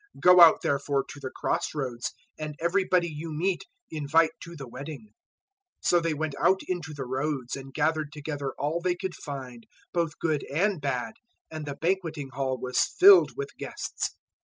022:009 Go out therefore to the crossroads, and everybody you meet invite to the wedding.' 022:010 "So they went out into the roads and gathered together all they could find, both bad and good, and the banqueting hall was filled with guests.